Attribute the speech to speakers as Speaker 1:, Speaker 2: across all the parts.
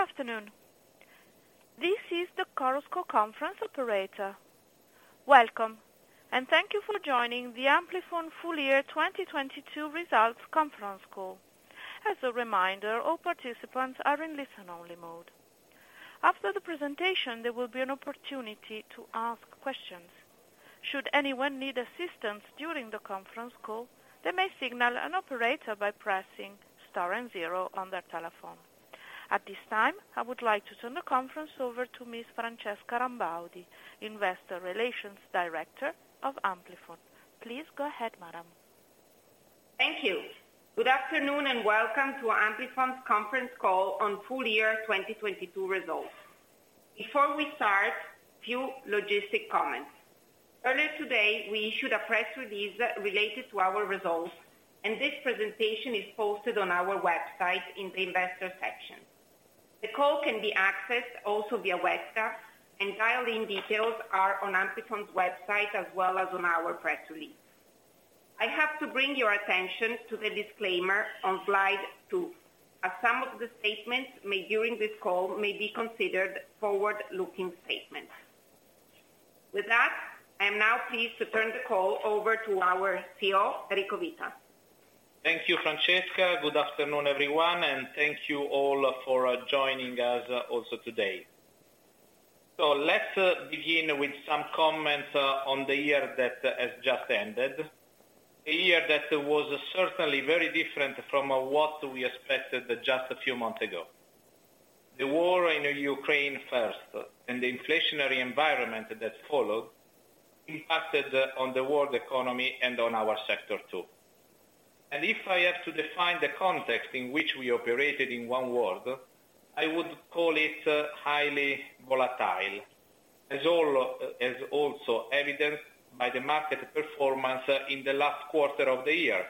Speaker 1: Good afternoon. This is the Chorus Call conference operator. Welcome, and thank you for joining the Amplifon full year 2022 results conference call. As a reminder, all participants are in listen-only mode. After the presentation, there will be an opportunity to ask questions. Should anyone need assistance during the conference call, they may signal an operator by pressing star and zero on their telephone. At this time, I would like to turn the conference over to Ms. Francesca Rambaudi, Investor Relations Director of Amplifon. Please go ahead, madam.
Speaker 2: Thank you. Good afternoon and welcome to Amplifon's conference call on full year 2022 results. Before we start, few logistic comments. Earlier today, we issued a press release related to our results and this presentation is posted on our website in the investor section. The call can be accessed also via webcast and dial-in details are on Amplifon's website as well as on our press release. I have to bring your attention to the disclaimer on slide 2, as some of the statements made during this call may be considered forward-looking statements. With that, I am now pleased to turn the call over to our CEO, Enrico Vita.
Speaker 3: Thank you, Francesca. Good afternoon, everyone, and thank you all for joining us also today. Let's begin with some comments on the year that has just ended. A year that was certainly very different from what we expected just a few months ago. The war in Ukraine first and the inflationary environment that followed impacted on the world economy and on our sector too. If I have to define the context in which we operated in one word, I would call it highly volatile. As also evidenced by the market performance in the last quarter of the year,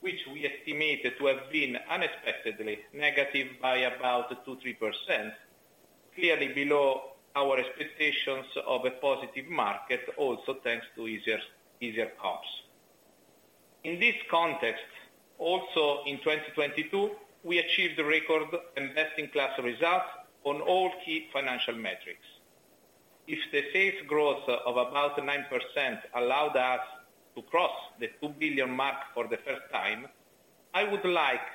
Speaker 3: which we estimated to have been unexpectedly negative by about 2%-3%, clearly below our expectations of a positive market also thanks to easier costs. In this context, also in 2022, we achieved record and best-in-class results on all key financial metrics. If the sales growth of about 9% allowed us to cross the 2 billion mark for the first time, I would like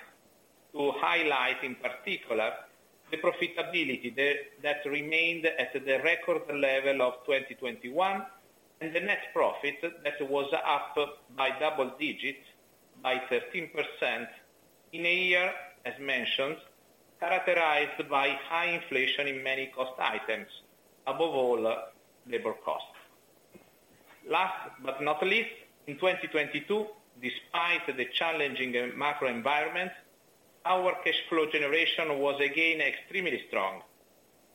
Speaker 3: to highlight in particular the profitability that remained at the record level of 2021 and the net profit that was up by double digits by 13% in a year, as mentioned, characterized by high inflation in many cost items, above all labor cost. Last but not least, in 2022, despite the challenging microenvironment, our cash flow generation was again extremely strong,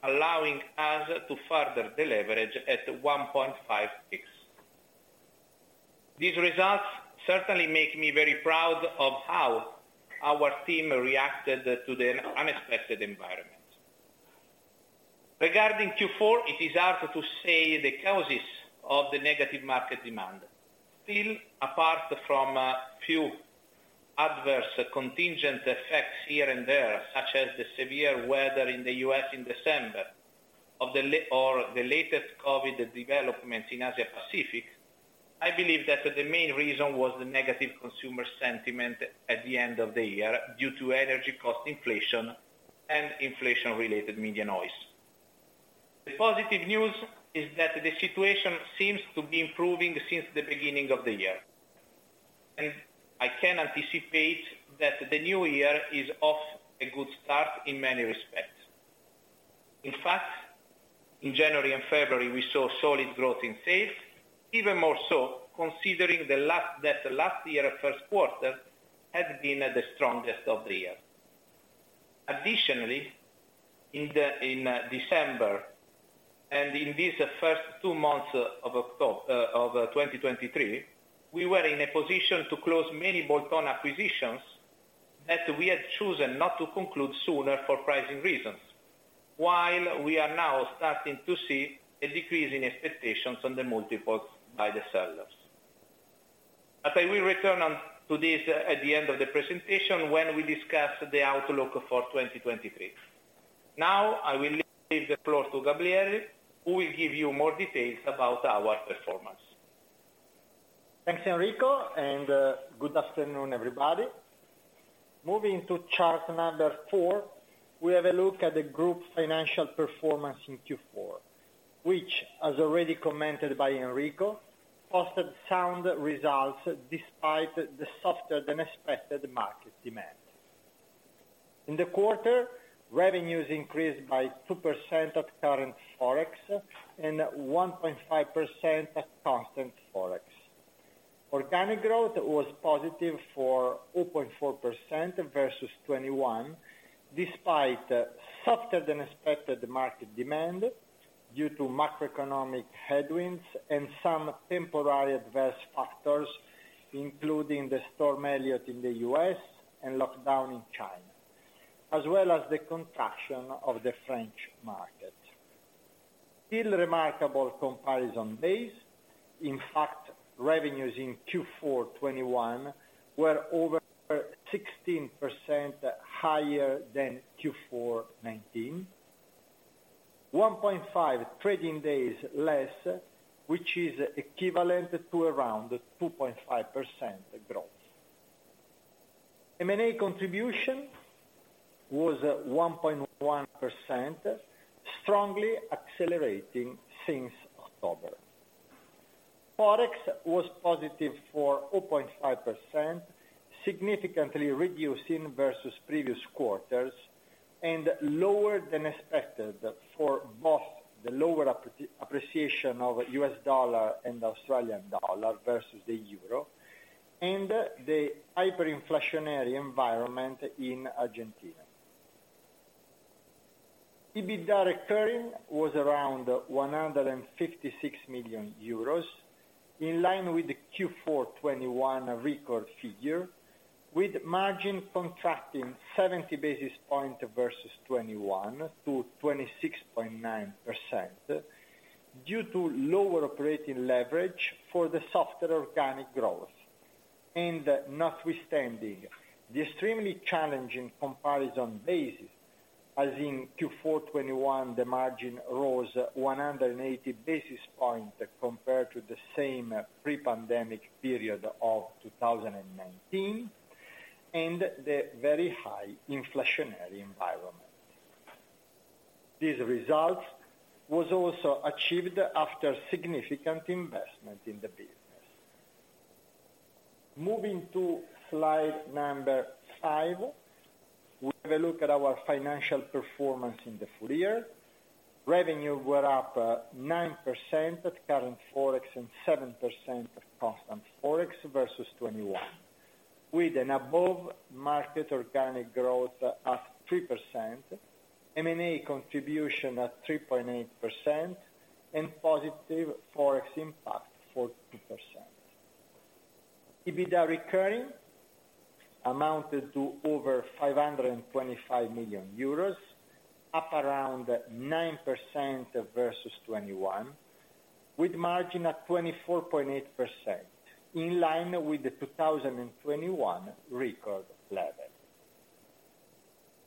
Speaker 3: allowing us to further the leverage at 1.56. These results certainly make me very proud of how our team reacted to the unexpected environment. Regarding Q4, it is hard to say the causes of the negative market demand. Still, apart from a few adverse contingent effects here and there, such as the severe weather in the U.S. in December or the latest COVID developments in Asia Pacific, I believe that the main reason was the negative consumer sentiment at the end of the year due to energy cost inflation and inflation-related media noise. The positive news is that the situation seems to be improving since the beginning of the year. I can anticipate that the new year is off a good start in many respects. In fact, in January and February, we saw solid growth in sales, even more so considering that last year first quarter had been the strongest of the year. Additionally, in December and in this first two months of 2023, we were in a position to close many bolt-on acquisitions that we had chosen not to conclude sooner for pricing reasons. While we are now starting to see a decrease in expectations on the multiples by the sellers. I will return on to this at the end of the presentation when we discuss the outlook for 2023. Now, I will leave the floor to Gabriele, who will give you more details about our performance.
Speaker 4: Thanks, Enrico, and good afternoon, everybody. Moving to chart number four, we have a look at the group's financial performance in Q4, which, as already commented by Enrico, posted sound results despite the softer than expected market demand. In the quarter, revenues increased by 2% of current ForEx and 1.5% of constant ForEx. Organic growth was positive for 0.4% vs. 2021, despite softer than expected market demand due to macroeconomic headwinds and some temporary adverse factors, including the storm Elliott in the U.S. and lockdown in China, as well as the contraction of the French market. Still remarkable comparison base. In fact, revenues in Q4 2021 were over 16% higher than Q4 2019. 1.5 trading days less, which is equivalent to around 2.5% growth. M&A contribution was at 1.1%, strongly accelerating since October. ForEx was positive for 0.5%, significantly reducing vs. previous quarters and lower than expected for both the lower appreciation of U.S. dollar and Australian dollar vs. the euro and the hyperinflationary environment in Argentina. EBITDA recurring was around 156 million euros, in line with the Q4 2021 record figure, with margin contracting 70 basis point vs. 21%-26.9% due to lower operating leverage for the softer organic growth and not withstanding the extremely challenging comparison base, as in Q4 2021, the margin rose 180 basis point compared to the same pre-pandemic period of 2019 and the very high inflationary environment. These results was also achieved after significant investment in the business. Moving to slide number five, we have a look at our financial performance in the full year. Revenue were up 9% at current ForEx and 7% at constant ForEx vs. 2021, with an above market organic growth at 3%, M&A contribution at 3.8%, and positive ForEx impact for 2%. EBITDA recurring amounted to over 525 million euros, up around 9% vs. 2021, with margin at 24.8%, in line with the 2021 record level.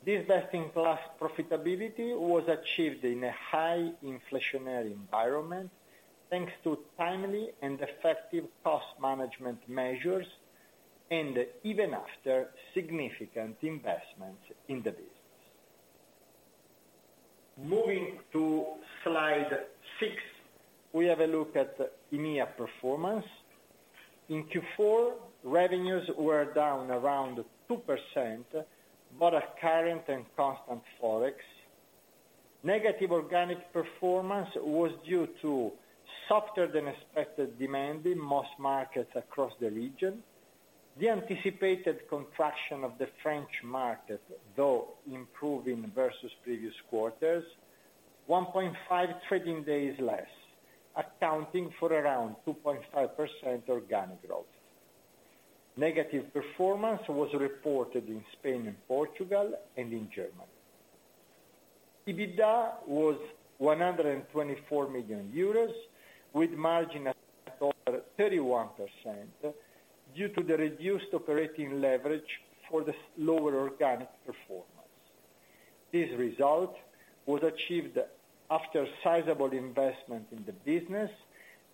Speaker 4: This best-in-class profitability was achieved in a high inflationary environment, thanks to timely and effective cost management measures and even after significant investments in the business. Moving to slide six, we have a look at EMEA performance. In Q4, revenues were down around 2%, both at current and constant ForEx. Negative organic performance was due to softer than expected demand in most markets across the region. The anticipated contraction of the French market, though, improving vs. Previous quarters, 1.5 trading days less, accounting for around 2.5% organic growth. Negative performance was reported in Spain and Portugal and in Germany. EBITDA was 124 million euros, with margin at over 31% due to the reduced operating leverage for the slower organic performance. This result was achieved after sizable investment in the business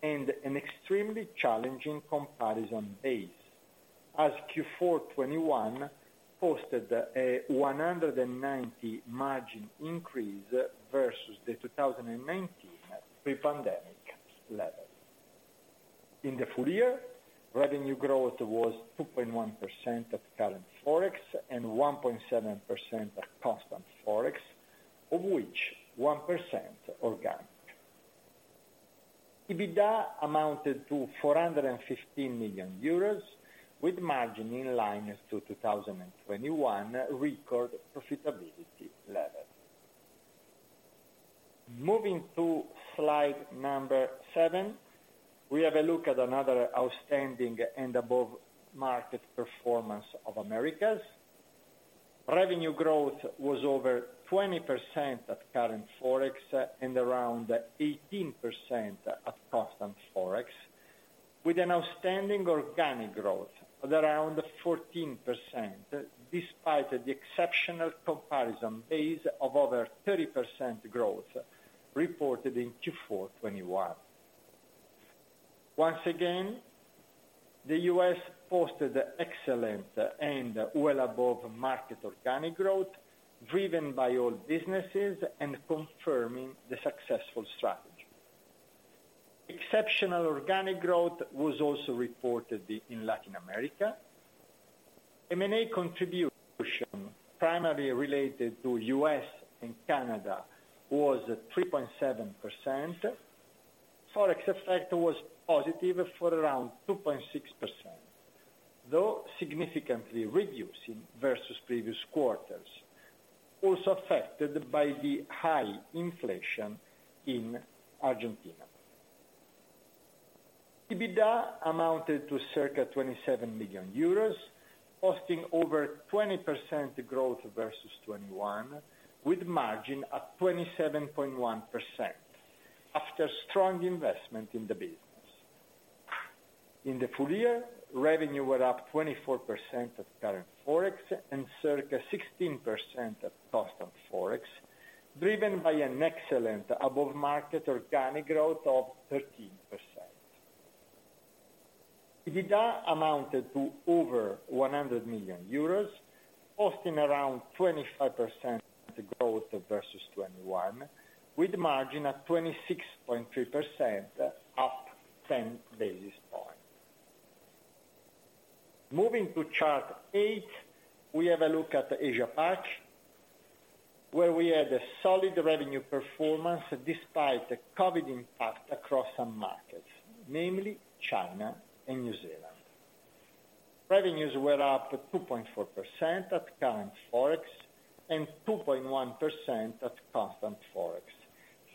Speaker 4: and an extremely challenging comparison base as Q4 2021 posted a 190 margin increase vs. the 2019 pre-pandemic level. In the full year, revenue growth was 2.1% of current ForEx and 1.7% of constant ForEx, of which 1% organic. EBITDA amounted to 415 million euros with margin in line to 2021 record profitability level. Moving to slide number seven, we have a look at another outstanding and above market performance of Americas. Revenue growth was over 20% at current ForEx and around 18% at constant ForEx, with an outstanding organic growth of around 14%, despite the exceptional comparison base of over 30% growth reported in Q4 2021. Once again, the U.S. posted excellent and well above market organic growth, driven by all businesses and confirming the successful strategy. Exceptional organic growth was also reported in Latin America. M&A contribution, primarily related to U.S. and Canada, was at 3.7%. ForEx effect was positive for around 2.6%, though significantly reducing vs. previous quarters, also affected by the high inflation in Argentina. EBITDA amounted to circa 27 million euros, costing over 20% growth vs. 2021, with margin at 27.1% after strong investment in the business. In the full year, revenue were up 24% of current ForEx and circa 16% of constant ForEx, driven by an excellent above market organic growth of 13%. EBITDA amounted to over 100 million euros, costing around 25% growth vs. 2021, with margin at 26.3%, up 10 basis points. Moving to Chart 8, we have a look at the Asia Pac, where we had a solid revenue performance despite the COVID impact across some markets, namely China and New Zealand. Revenues were up 2.4% at current ForEx and 2.1% at constant ForEx,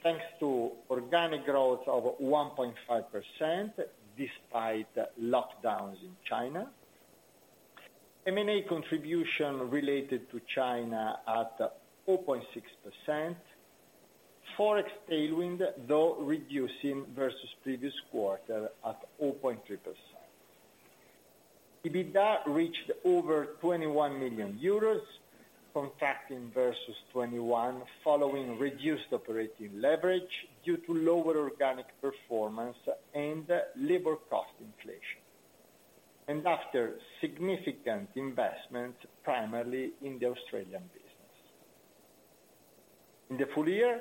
Speaker 4: thanks to organic growth of 1.5% despite lockdowns in China, M&A contribution related to China at 4.6%, ForEx tailwind, though reducing vs. previous quarter at 4.3%. EBITDA reached over 21 million euros, contracting vs. 2021 following reduced operating leverage due to lower organic performance and labor cost inflation, and after significant investment, primarily in the Australian business. In the full year,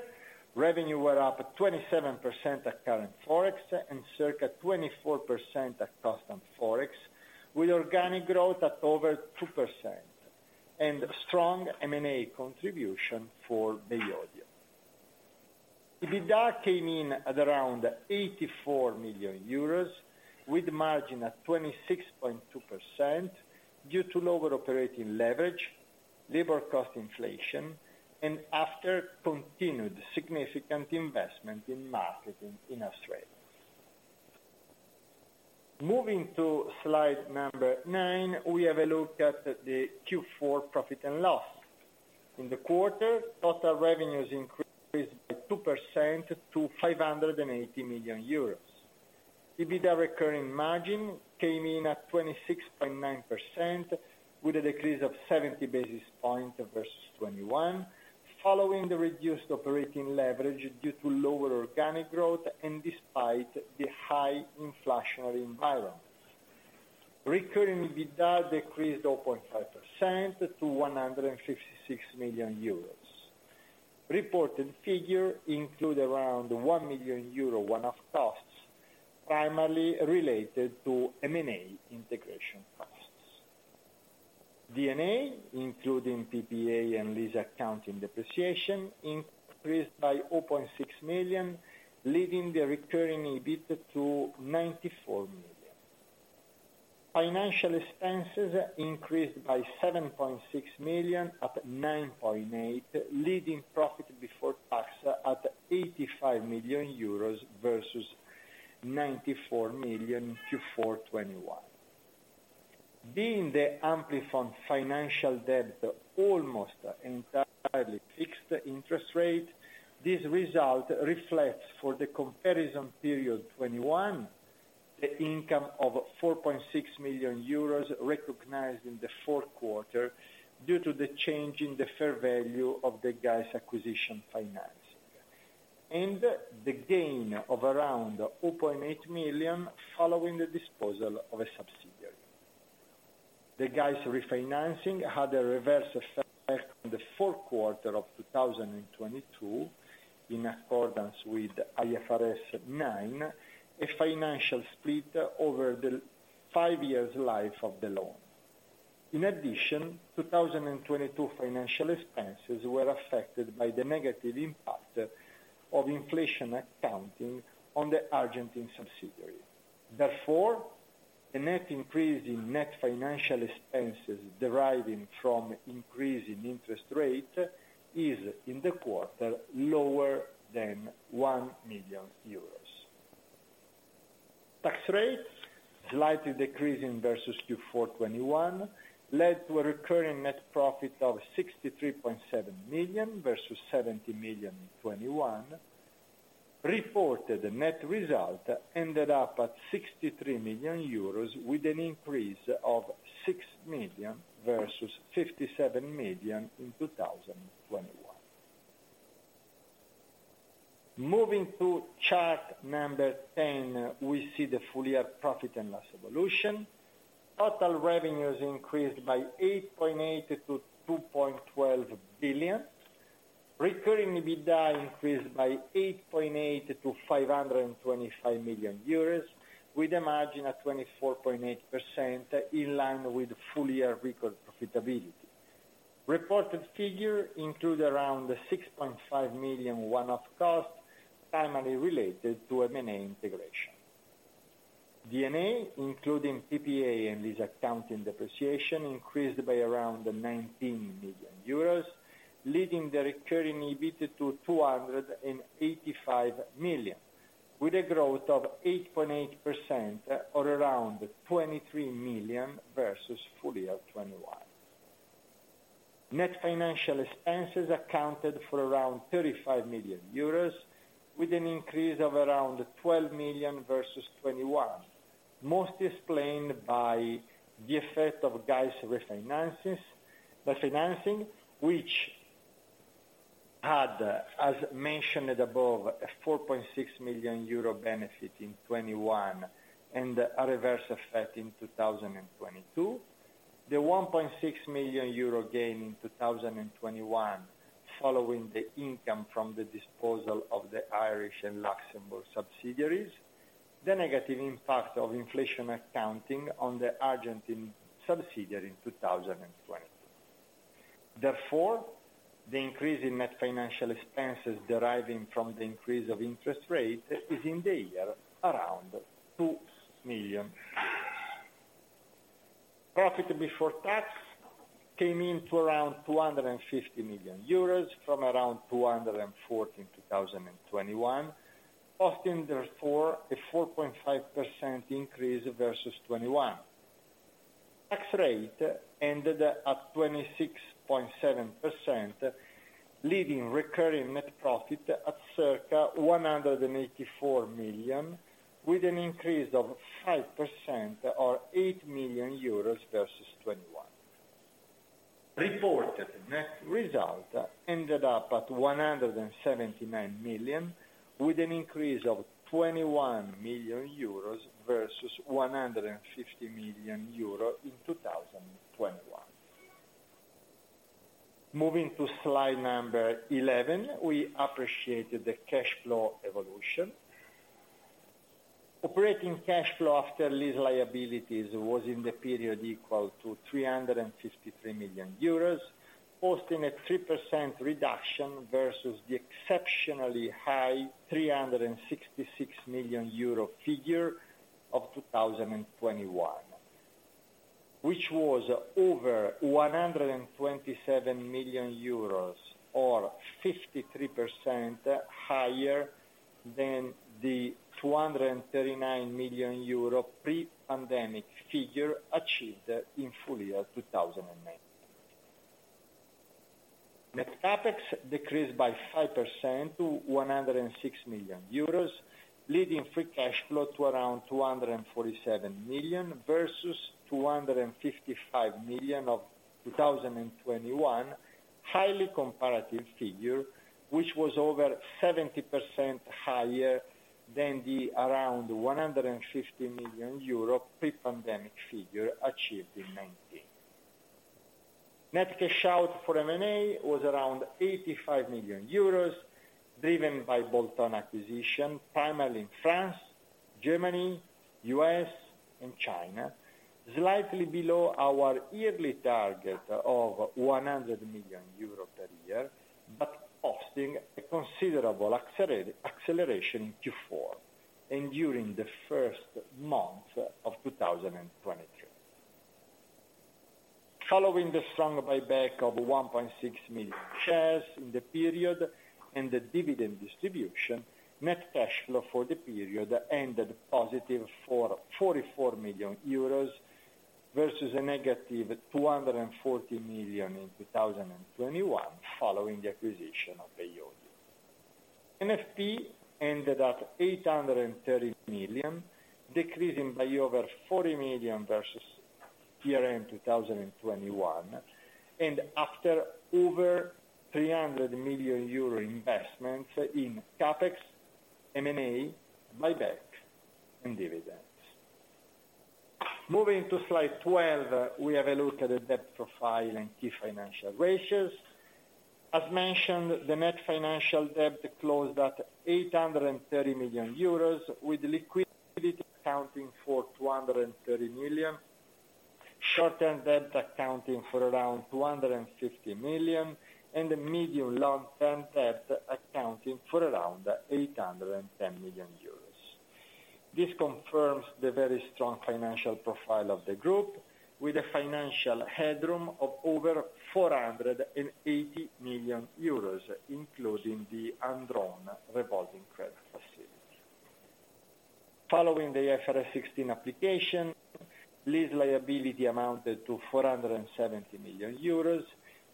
Speaker 4: revenue were up 27% at current ForEx and circa 24% at constant ForEx, with organic growth at over 2% and strong M&A contribution for Bay Audio. EBITDA came in at around 84 million euros, with margin at 26.2% due to lower operating leverage, labor cost inflation, and after continued significant investment in marketing in Australia. Moving to slide number nine, we have a look at the Q4 profit and loss. In the quarter, total revenues increased by 2% to 580 million euros. EBITDA recurring margin came in at 26.9% with a decrease of 70 basis points vs. 2021, following the reduced operating leverage due to lower organic growth and despite the high inflationary environment. Recurring EBITDA decreased 0.5% to 156 million euros. Reported figure include around 1 million euro one-off costs, primarily related to M&A integration costs. D&A, including PPA and lease accounting depreciation, increased by 0.6 million, leaving the recurring EBIT to 94 million. Financial expenses increased by 7.6 million at 9.8 million, leaving profit before tax at 85 million euros vs. 94 million Q4 2021. Being the Amplifon financial debt almost entirely fixed interest rate, this result reflects for the comparison period 2021, the income of 4.6 million euros recognized in the fourth quarter due to the change in the fair value of the GAES acquisition financing, and the gain of around 4.8 million following the disposal of a subsidiary. The GAES refinancing had a reverse effect in the fourth quarter of 2022 in accordance with IFRS 9, a financial split over the five years life of the loan. In addition, 2022 financial expenses were affected by the negative impact of inflation accounting on the Argentine subsidiary. Therefore, the net increase in net financial expenses deriving from increase in interest rate is in the quarter lower than 1 million euros. Tax rates slightly decreasing vs. Q4 2021 led to a recurring net profit of 63.7 million vs. 70 million in 2021. Reported net result ended up at 63 million euros with an increase of 6 million vs. 57 million in 2021. Moving to chart number 10, we see the full year profit and loss evolution. Total revenues increased by 8.8% to 2.12 billion. Recurring EBITDA increased by 8.8% to 525 million euros, with a margin at 24.8% in line with full year record profitability. Reported figure include around 6.5 million one-off costs primarily related to M&A integration. D&A, including PPA and lease accounting depreciation, increased by around 19 million euros. Leading the recurring EBIT to 285 million, with a growth of 8.8% or around 23 million vs. full year 2021. Net financial expenses accounted for around 35 million euros with an increase of around 12 million vs. 2021, mostly explained by the effect of GAES refinancing, which had, as mentioned above, a 4.6 million euro benefit in 2021 and a reverse effect in 2022. The 1.6 million euro gain in 2021 following the income from the disposal of the Irish and Luxembourg subsidiaries, the negative impact of inflation accounting on the Argentine subsidiary in 2020. The increase in net financial expenses deriving from the increase of interest rate is in the year around 2 million. Profit before tax came in to around 250 million euros from around 240 million in 2021, costing therefore a 4.5% increase vs. 2021. Tax rate ended at 26.7%, leading recurring net profit at circa 184 million, with an increase of 5% or 8 million euros vs. 2021. Reported net result ended up at 179 million, with an increase of 21 million euros vs. 150 million euro in 2021. Moving to slide number 11, we appreciate the cash flow evolution. Operating cash flow after lease liabilities was in the period equal to 353 million euros, hosting a 3% reduction vs. the exceptionally high 366 million euro figure of 2021, which was over 127 million euros or 53% higher than the 239 million euro pre-pandemic figure achieved in full year 2019. Net CapEx decreased by 5% to 106 million euros, leading free cash flow to around 247 million, vs. 255 million of 2021. Highly comparative figure, which was over 70% higher than the around 150 million euro pre-pandemic figure achieved in 2019. Net cash out for M&A was around 85 million euros, driven by bolt-on acquisition, primarily in France, Germany, U.S., and China, slightly below our yearly target of 100 million euro per year, hosting a considerable acceleration Q4 and during the first month of 2023. Following the strong buyback of 1.6 million shares in the period and the dividend distribution, net cash flow for the period ended positive for 44 million euros vs. a negative 240 million in 2021 following the acquisition of Bay Audio. NFP ended at 830 million, decreasing by over 40 million vs. year-end 2021, after over 300 million euro investments in CapEx, M&A, buyback and dividends. Moving to slide 12, we have a look at the debt profile and key financial ratios. As mentioned, the net financial debt closed at 830 million euros with liquidity accounting for 230 million, short-term debt accounting for around 250 million, and the medium long-term debt accounting for around 810 million euros. This confirms the very strong financial profile of the group, with a financial headroom of over 480 million euros, including the undrawn revolving credit facility. Following the IFRS 16 application, lease liability amounted to 470 million euros,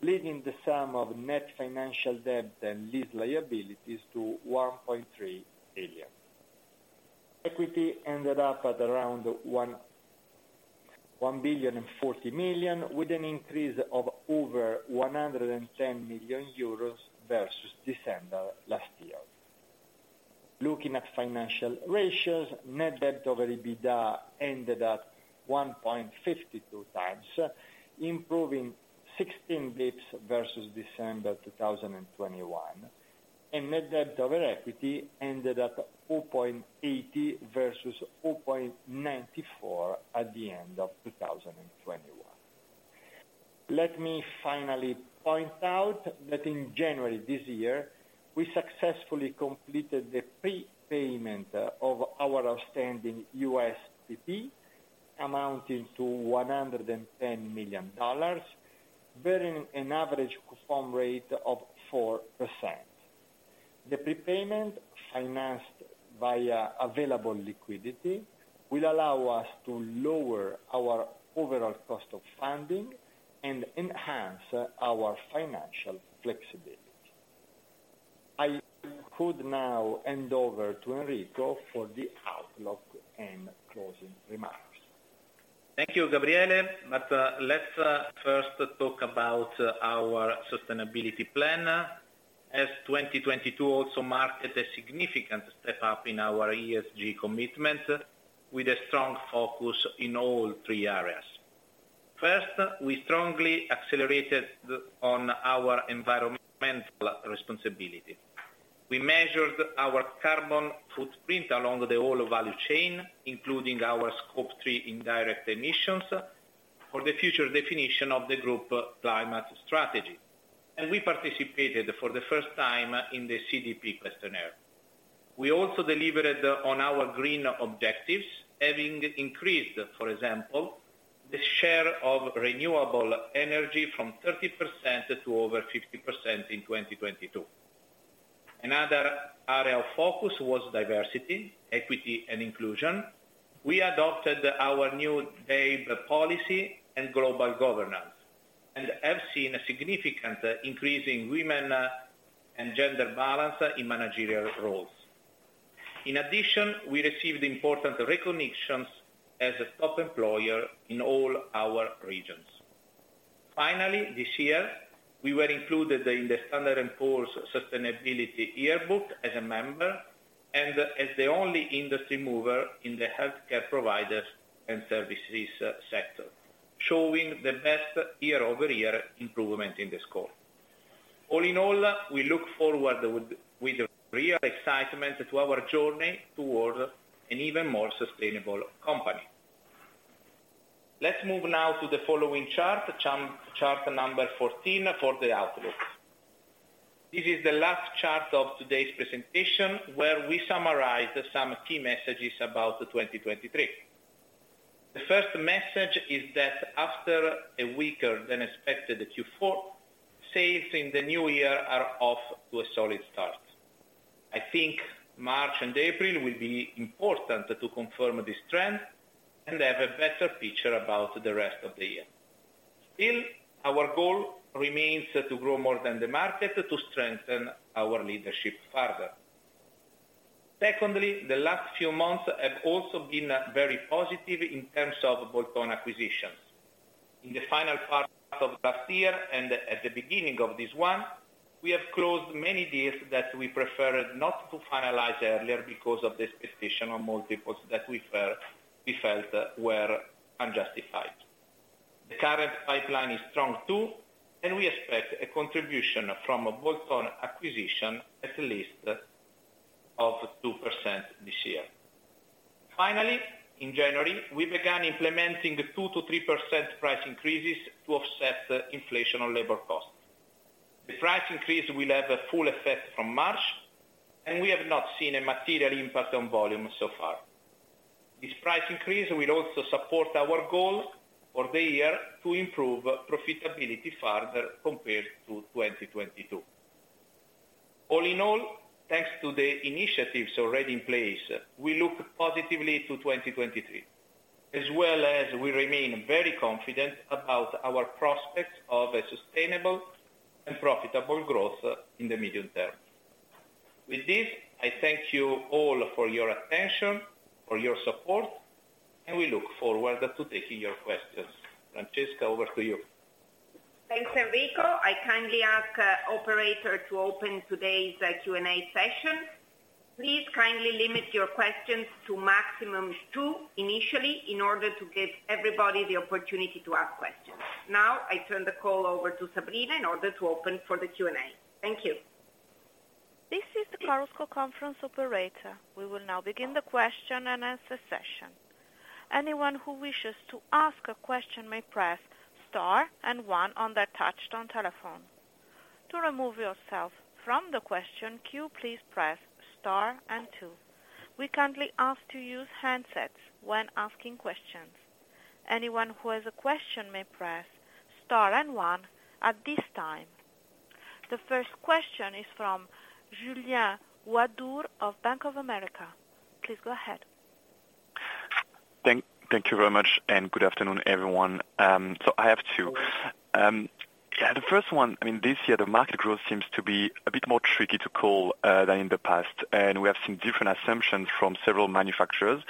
Speaker 4: leading the sum of net financial debt and lease liabilities to 1.3 billion. Equity ended up at around 1.04 billion, with an increase of over 110 million euros vs. December last year. Looking at financial ratios, net debt over EBITDA ended at 1.52x, improving 16 basis points vs. December 2021, and net debt over equity ended at 4.80 vs. 4.94 at the end of 2021. Let me finally point out that in January this year, we successfully completed the prepayment of our outstanding USPP Amounting to $110 million, bearing an average coupon rate of 4%. The prepayment financed via available liquidity will allow us to lower our overall cost of funding and enhance our financial flexibility. I could now hand over to Enrico for the outlook and closing remarks.
Speaker 3: Thank you, Gabriele. Let's first talk about our sustainability plan, as 2022 also marked a significant step up in our ESG commitment with a strong focus in all three areas. First, we strongly accelerated on our environmental responsibility. We measured our carbon footprint along the whole value chain, including our Scope 3 indirect emissions for the future definition of the group climate strategy. We participated for the first time in the CDP questionnaire. We also delivered on our green objectives, having increased, for example, the share of renewable energy from 30% to over 50% in 2022. Another area of focus was diversity, equity and inclusion. We adopted our new DEIB Policy and global governance, have seen a significant increase in women and gender balance in managerial roles. In addition, we received important recognitions as a top employer in all our regions. This year, we were included in the S&P Global Sustainability Yearbook as a member and as the only industry mover in the healthcare providers and services sector, showing the best year-over-year improvement in the score. All in all, we look forward with real excitement to our journey towards an even more sustainable company. Let's move now to the following chart number 14 for the outlook. This is the last chart of today's presentation, where we summarize some key messages about 2023. The first message is that after a weaker than expected Q4, sales in the new year are off to a solid start. I think March and April will be important to confirm this trend and have a better picture about the rest of the year. Still, our goal remains to grow more than the market to strengthen our leadership further. The last few months have also been very positive in terms of bolt-on acquisitions. In the final part of last year and at the beginning of this one, we have closed many deals that we preferred not to finalize earlier because of the expectation on multiples that we felt were unjustified. The current pipeline is strong too, and we expect a contribution from a bolt-on acquisition at least of 2% this year. Finally, in January, we began implementing 2%-3% price increases to offset the inflation on labor costs. The price increase will have a full effect from March, and we have not seen a material impact on volume so far. This price increase will also support our goal for the year to improve profitability further compared to 2022. All in all, thanks to the initiatives already in place, we look positively to 2023, as well as we remain very confident about our prospects of a sustainable and profitable growth in the medium term. With this, I thank you all for your attention, for your support, and we look forward to taking your questions. Francesca, over to you.
Speaker 2: Thanks, Enrico. I kindly ask operator to open today's Q&A session. Please kindly limit your questions to maximum two initially in order to give everybody the opportunity to ask questions. Now, I turn the call over to Sabrina in order to open for the Q&A. Thank you.
Speaker 1: This is the Chorus Call conference operator. We will now begin the question and answer session. Anyone who wishes to ask a question may press star and one on their touch-tone telephone. To remove yourself from the question queue, please press star and two. We kindly ask to use handsets when asking questions. Anyone who has a question may press star and one at this time. The first question is from Julien Ouaddour of Bank of America. Please go ahead.
Speaker 5: Thank you very much, and good afternoon, everyone. I have two. The first one, I mean, this year the market growth seems to be a bit more tricky to call than in the past, and we have some different assumptions from several manufacturers.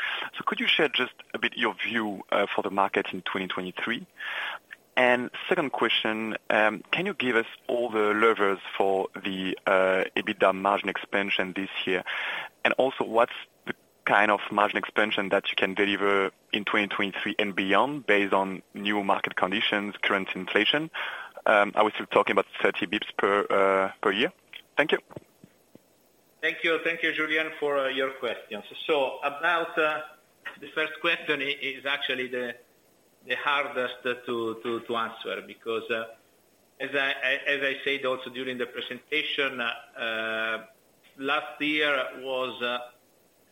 Speaker 5: Could you share just a bit your view for the market in 2023? Second question, can you give us all the levers for the EBITDA margin expansion this year and also what's the kind of margin expansion that you can deliver in 2023 and beyond based on new market conditions, current inflation? Are we still talking about 30 basis points per year? Thank you.
Speaker 3: Thank you. Thank you, Julien, for your questions. About the first question is actually the hardest to answer because as I said also during the presentation, last year was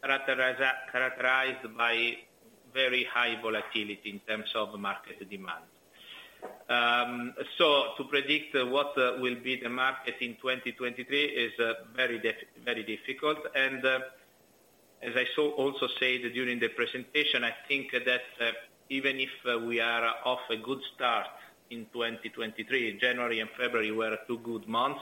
Speaker 3: characterized by very high volatility in terms of market demand. So, to predict what will be the market in 2023 is very difficult and, as I so also said during the presentation, I think that even if we are off a good start in 2023, January and February were two good months.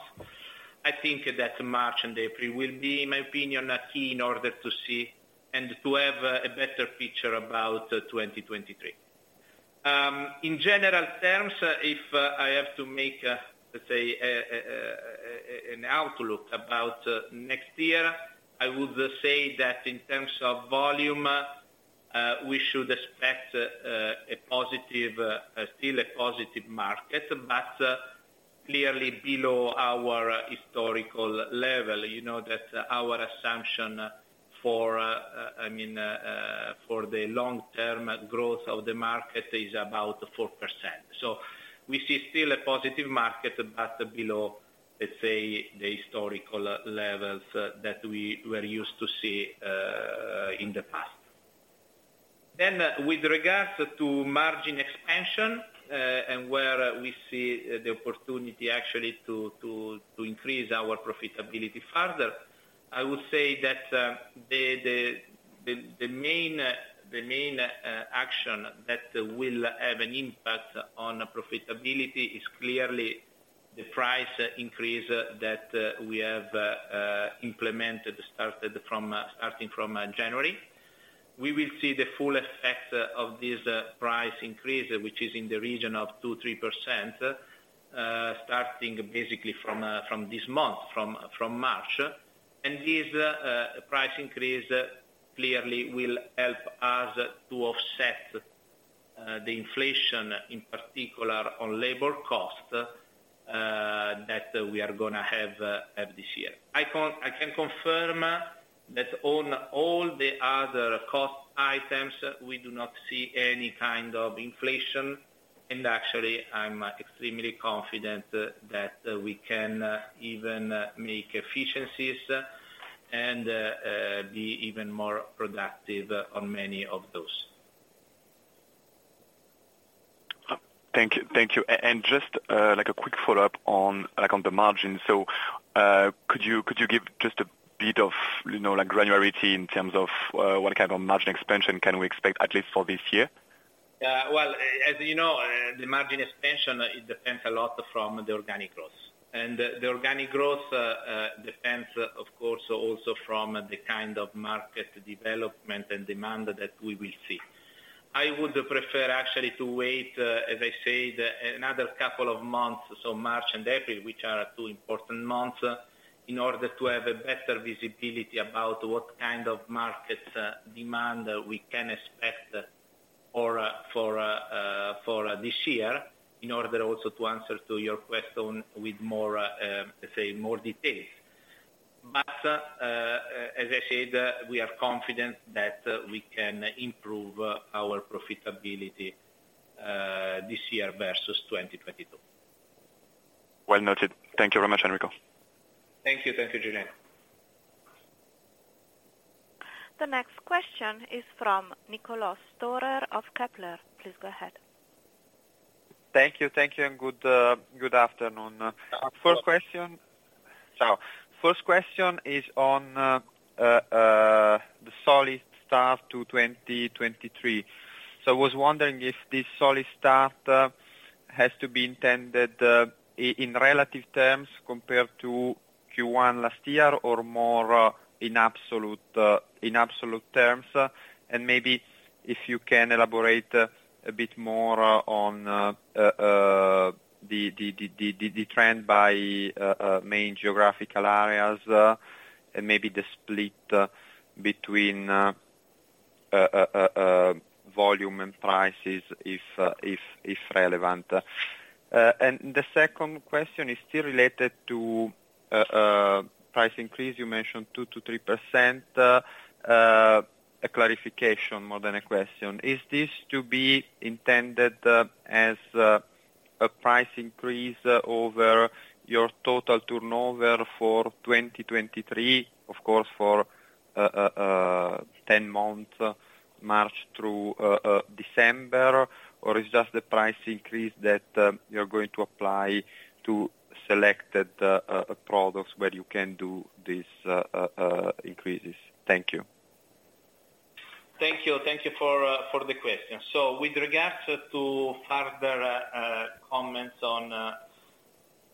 Speaker 3: I think that March and April will be, in my opinion, a key in order to see and to have a better picture about 2023. In general terms, if I have to make, let's say, an outlook about next year, I would say that in terms of volume, we should expect a positive, still a positive market, but clearly below our historical level. You know that our assumption for, I mean, for the long-term growth of the market is about 4%. We see still a positive market, but below, let's say, the historical levels that we were used to see, in the past. With regards to margin expansion, and where we see the opportunity actually to increase our profitability further, I would say that the main action that will have an impact on profitability is clearly the price increase that we have implemented starting from January. We will see the full effect of this price increase, which is in the region of 2%-3%, starting basically from this month, from March. This price increase clearly will help us to offset the inflation, in particular on labor cost that we are gonna have this year. I can confirm that on all the other cost items, we do not see any kind of inflation. Actually, I'm extremely confident that we can even make efficiencies and be even more productive on many of those.
Speaker 5: Thank you. Thank you. Just, like, a quick follow-up on the margin. Could you give just a bit of, you know, like, granularity in terms of, what kind of margin expansion can we expect at least for this year?
Speaker 3: Yeah. Well, as you know, the margin expansion, it depends a lot from the organic growth and the organic growth depends, of course, also from the kind of market development and demand that we will see. I would prefer actually to wait, as I said, another couple of months, so March and April, which are two important months, in order to have a better visibility about what kind of market demand we can expect for this year, in order also to answer to your question with more, let's say, more details. As I said, we are confident that we can improve our profitability this year vs. 2022.
Speaker 5: Well noted. Thank you very much, Enrico.
Speaker 3: Thank you. Thank you, Julien.
Speaker 1: The next question is from Niccolo Storer of Kepler. Please go ahead.
Speaker 6: Thank you. Thank you. Good afternoon.
Speaker 3: Ciao.
Speaker 6: First question.
Speaker 3: Ciao.
Speaker 6: First question is on the solid start to 2023. So, I was wondering if this solid start has to be intended in relative terms compared to Q1 last year or more in absolute terms and maybe if you can elaborate a bit more on the trend by main geographical areas and maybe the split between volume and prices if relevant? The second question is still related to price increase. You mentioned 2%-3%. A clarification more than a question. Is this to be intended as a price increase over your total turnover for 2023, of course, for 10 months, March through December? Is just the price increase that you're going to apply to selected products where you can do these increases? Thank you.
Speaker 3: Thank you. Thank you for the question. With regards to further comments on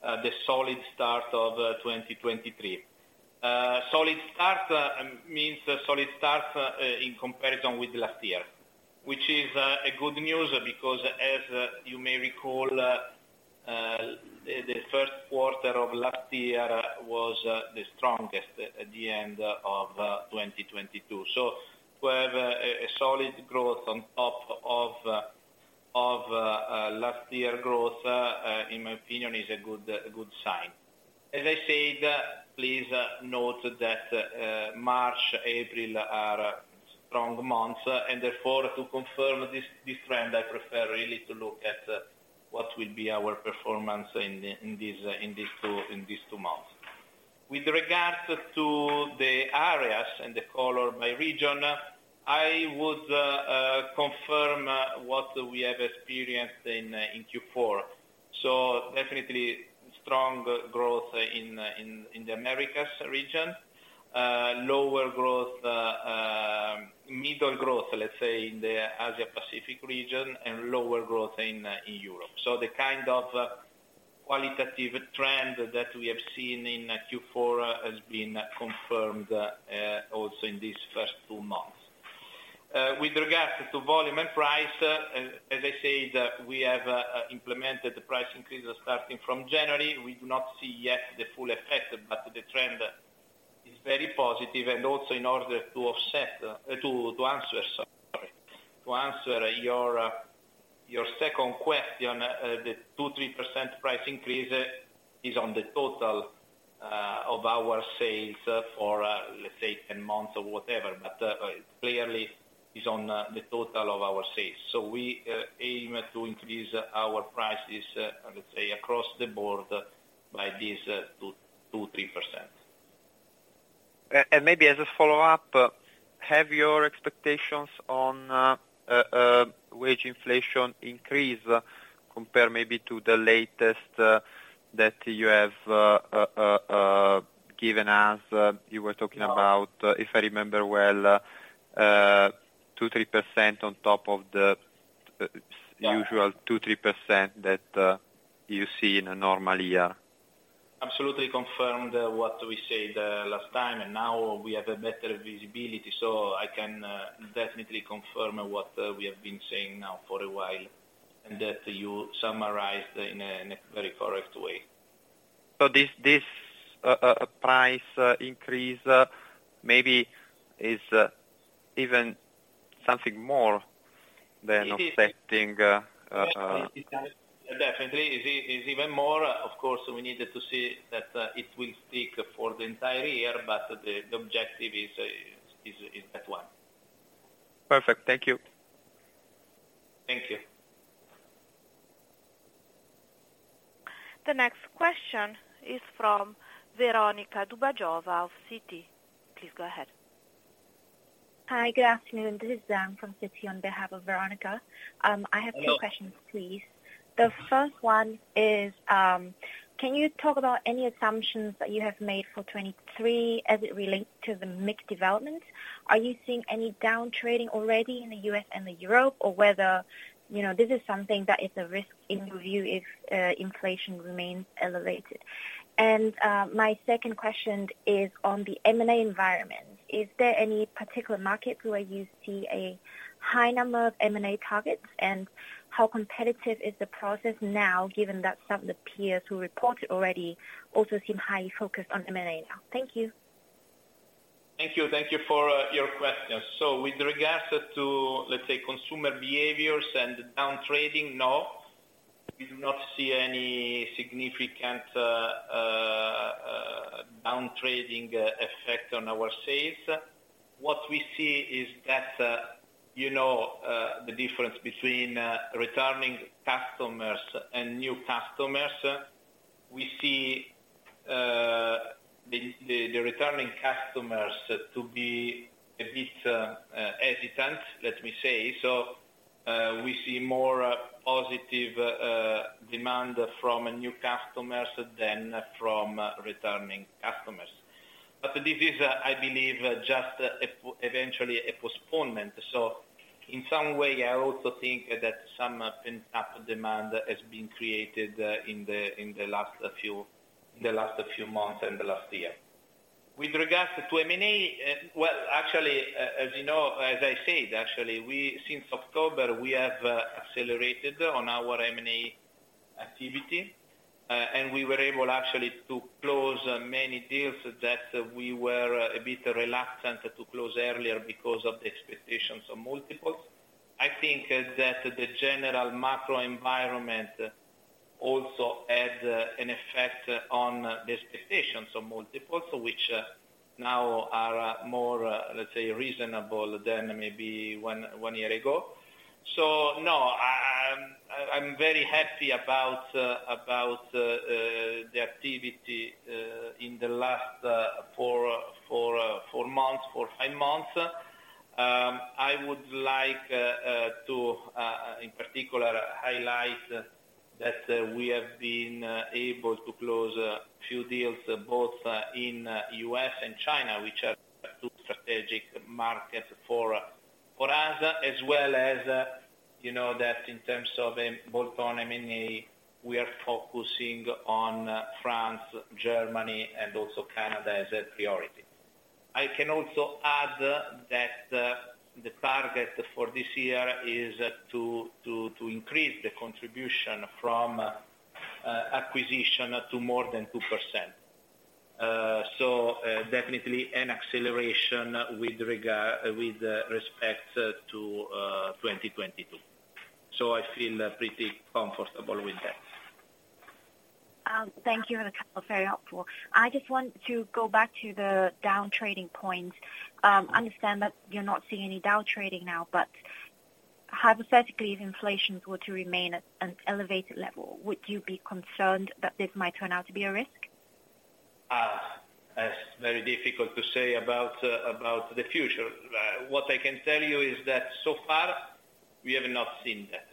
Speaker 3: the solid start of 2023. Solid start means solid start in comparison with last year, which is a good news because as you may recall, the first quarter of last year was the strongest at the end of 2022. So, we have a solid growth on top of last year growth, in my opinion, is a good sign. As I said, please note that March, April are strong months, and therefore to confirm this trend, I prefer really to look at what will be our performance in these two months. With regards to the areas and the color by region, I would confirm what we have experienced in Q4. Definitely strong growth in the Americas region. Lower growth, middle growth, let's say, in the Asia Pacific region, and lower growth in Europe. The kind of qualitative trend that we have seen in Q4 has been confirmed also in these first two months. With regards to volume and price, as I said, we have implemented price increases starting from January. We do not see yet the full effect, but the trend is very positive. Also in order to offset, to answer your second question, the 2%-3% price increase is on the total of our sales for, let's say, 10 months or whatever. Clearly is on the total of our sales. We aim to increase our prices, let's say, across the board by this 2%-3%.
Speaker 6: Maybe as a follow-up, have your expectations on wage inflation increased compared maybe to the latest that you have given us? You were talking about, if I remember well, 2%-3% on top of the usual 2%-3% that you see in a normal year.
Speaker 3: Absolutely confirmed what we said last time, and now we have a better visibility, so I can definitely confirm what we have been saying now for a while, and that you summarized in a very correct way.
Speaker 6: This price increase, maybe is even something more than
Speaker 3: It is Definitely is even more. Of course, we needed to see that it will speak for the entire year. The objective is that one.
Speaker 6: Perfect. Thank you.
Speaker 3: Thank you.
Speaker 1: The next question is from Veronika Dubajova of Citi. Please go ahead.
Speaker 7: Hi. Good afternoon. This is Giang from Citi on behalf of Veronika. I have 2 questions, please. The first one is, can you talk about any assumptions that you have made for 2023 as it relates to the mixed development? Are you seeing any down trading already in the U.S. and Europe, or whether, you know, this is something that is a risk in your view if inflation remains elevated and my second question is on the M&A environment. Is there any particular market where you see a high number of M&A targets, and how competitive is the process now, given that some of the peers who reported already also seem highly focused on M&A now? Thank you.
Speaker 3: Thank you. Thank you for your questions. So, with regards to, let's say, consumer behaviors and down trading, no, we do not see any significant down trading effect on our sales. What we see is that, you know, the difference between returning customers and new customers. We see the returning customers to be a bit hesitant, let me say. We see more positive demand from new customers than from returning customers. This is, I believe, just eventually a postponement. In some way, I also think that some pent-up demand has been created in the last few months and the last year. With regards to M&A, well, actually, as you know, as I said, actually, we since October, we have accelerated on our M&A activity, and we were able actually to close many deals that we were a bit reluctant to close earlier because of the expectations of multiples. I think that the general macro environment also had an effect on the expectations of multiples, which now are more, let's say, reasonable than maybe one year ago. So, no, I'm very happy about the activity in the last four months, four, five months. I would like to in particular highlight that we have been able to close a few deals both in U.S. and China, which are two strategic markets for us, as well as, you know that in terms of bolt-on M&A, we are focusing on France, Germany and also Canada as a priority. I can also add that the target for this year is to increase the contribution from acquisition to more than 2%. So definitely an acceleration with respect to 2022. So I feel pretty comfortable with that.
Speaker 7: Thank you. Very helpful. I just want to go back to the down-trading point. Understand that you're not seeing any down-trading now, but hypothetically, if inflation were to remain at an elevated level, would you be concerned that this might turn out to be a risk?
Speaker 3: It's very difficult to say about the future. What I can tell you is that so far we have not seen that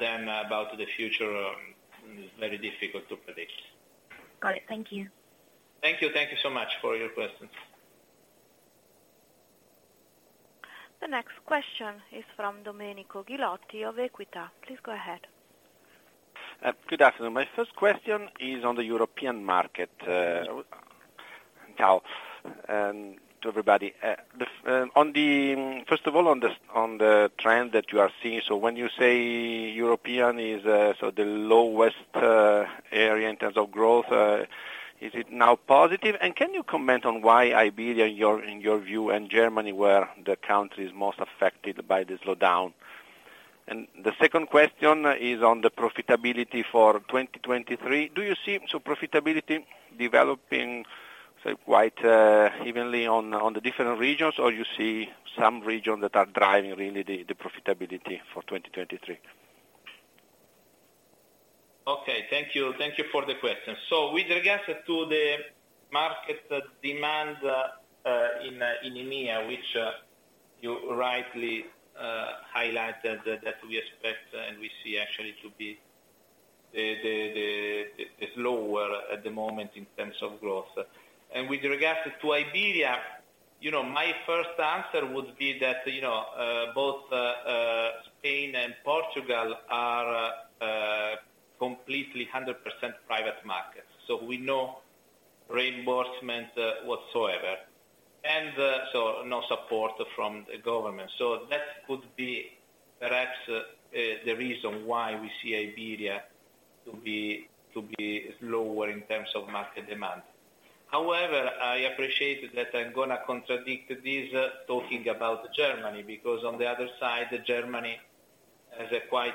Speaker 3: than about the future, is very difficult to predict.
Speaker 7: Got it. Thank you.
Speaker 3: Thank you. Thank you so much for your questions.
Speaker 1: The next question is from Domenico Ghilotti of Equita. Please go ahead.
Speaker 8: Good afternoon. My first question is on the European market. Now, to everybody. On the, first of all, on the trend that you are seeing, so, when you say European is, so the lowest area in terms of growth, is it now positive and can you comment on why Iberia, in your view, and Germany were the countries most affected by the slowdown? The second question is on the profitability for 2023. Do you see some profitability developing, say, quite evenly on the different regions, or you see some regions that are driving really the profitability for 2023?
Speaker 3: Okay. Thank you. Thank you for the question. With regards to the market demand in EMEA, which you rightly highlighted that we expect and we see actually to be the lower at the moment in terms of growth and with regards to Iberia, you know, my first answer would be that, you know, both Spain and Portugal are completely 100% private markets. So with no reimbursement whatsoever, and so no support from the government. That could be perhaps the reason why we see Iberia to be lower in terms of market demand. However, I appreciate that I'm gonna contradict this talking about Germany, because on the other side, Germany has a quite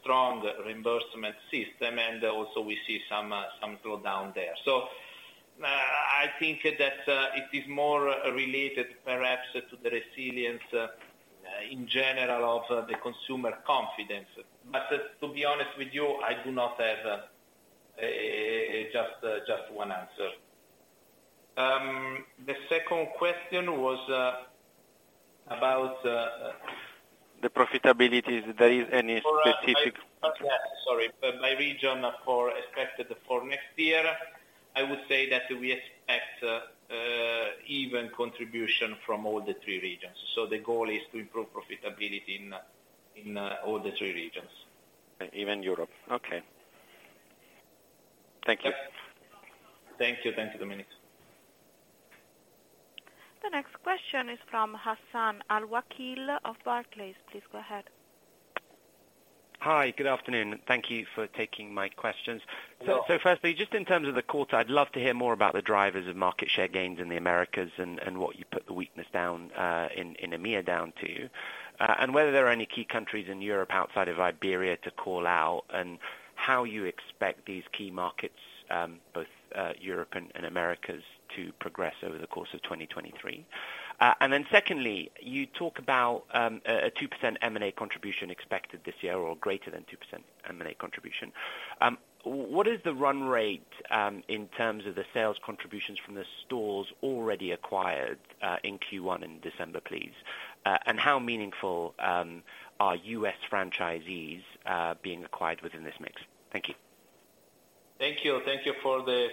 Speaker 3: strong reimbursement system, and also we see some slowdown there. I think that it is more related perhaps to the resilience in general of the consumer confidence but to be honest with you, I do not have a just one answer. The second question was about.
Speaker 8: The profitability. Is there any specific-?
Speaker 3: Yeah, sorry. By region for expected for next year, I would say that we expect even contribution from all the three regions. So, the goal is to improve profitability in all the three regions.
Speaker 8: Even Europe. Okay. Thank you.
Speaker 3: Thank you. Thank you, Domenico.
Speaker 1: The next question is from Hassan Al-Wakeel of Barclays. Please go ahead.
Speaker 9: Hi. Good afternoon. Thank you for taking my questions. Firstly, just in terms of the quarter, I'd love to hear more about the drivers of market share gains in the Americas and what you put the weakness down in EMEA down to? Whether there are any key countries in Europe outside of Iberia to call out, and how you expect these key markets, both Europe and Americas to progress over the course of 2023? secondly, you talk about a 2% M&A contribution expected this year or greater than 2% M&A contribution. What is the run rate in terms of the sales contributions from the stores already acquired in Q1 in December, please and how meaningful are U.S. franchisees being acquired within this mix? Thank you.
Speaker 3: Thank you. Thank you for the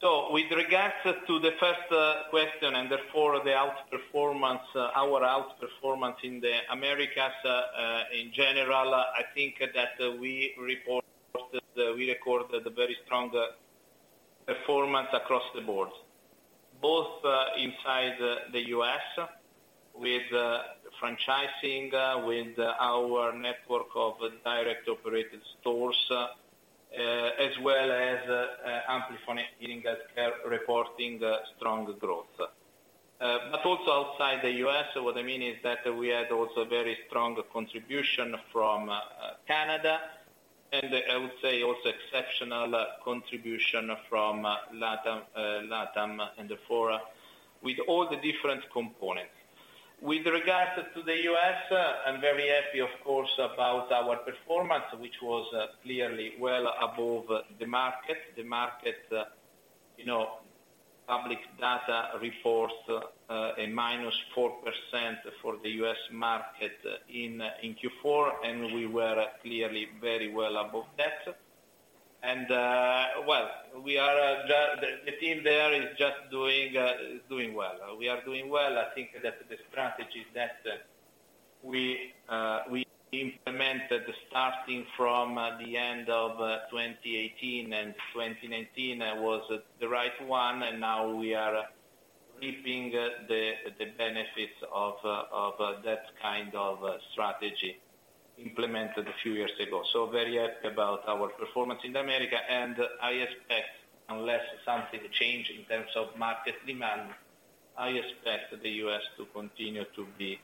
Speaker 3: questions. With regards to the first question and therefore the outperformance, our outperformance in the Americas in general, I think that we report, we recorded a very strong performance across the board, both inside the U.S. with franchising, with our network of direct operated stores, as well as Amplifon Hearing Health Care reporting strong growth but also outside the U.S., what I mean is that we had also very strong contribution from Canada and I would say also exceptional contribution from LATAM and therefore with all the different components. With regards to the U.S., I'm very happy of course about our performance, which was clearly well above the market. The market, you know, public data reports, a -4% for the U.S. market in Q4 and we were clearly very well above that. Well, The team there is just doing well. We are doing well. I think that the strategy that we implemented starting from the end of 2018 and 2019 was the right one and now we are reaping the benefits of that kind of strategy implemented a few years ago. So, very happy about our performance in America and I expect, unless something change in terms of market demand, I expect the U.S. to continue to be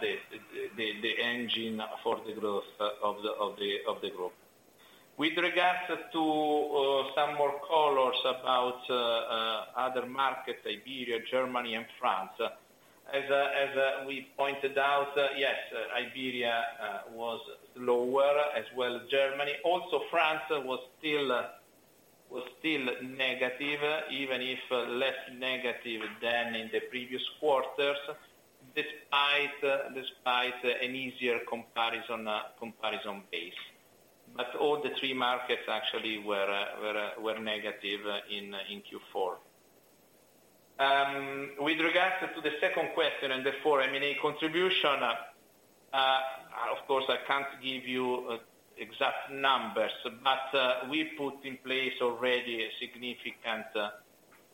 Speaker 3: the engine for the growth of the group. With regards to some more colors about other markets, Iberia, Germany and France. As we pointed out, yes, Iberia was lower, as well as Germany. France was still negative, even if less negative than in the previous quarters, despite an easier comparison base. All the three markets actually were negative in Q4. With regards to the second question and therefore, I mean, a contribution, of course, I can't give you exact numbers, but we put in place already a significant